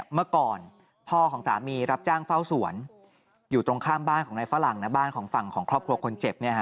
มันก็ไม่ได้ไปสู่ฝันสุ่ม